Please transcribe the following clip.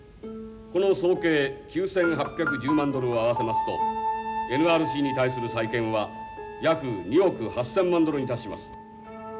この総計９，８１０万ドルを合わせますとＮＲＣに対する債権は約２億８，０００万ドルに達します。